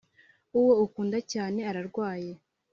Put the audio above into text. uwo ukunda cyane ararwaye